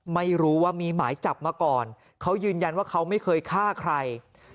ไม่รู้ว่ามีหมายจับมาก่อนเขายืนยันว่าเขาไม่เคยฆ่าใคร